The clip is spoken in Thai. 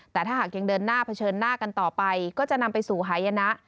แต่ถ้าหากยังเดินหน้าเผชิญหน้ากันต่อไปก็จะนำไปสู่หายนะ